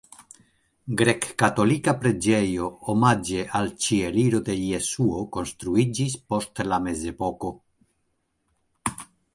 Grek-katolika preĝejo omaĝe al Ĉieliro de Jesuo konstruiĝis post la mezepoko.